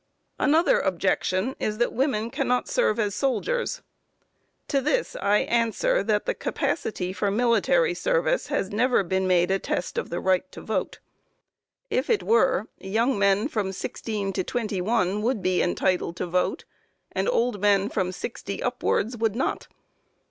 Another objection is that women cannot serve as soldiers. To this I answer that capacity for military service has never been made a test of the right to vote. If it were, young men from sixteen to twenty one would be entitled to vote, and old men from sixty and up wards would not.